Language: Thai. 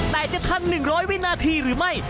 แต่จะทัน๑๐๐วินาทีหรือไม่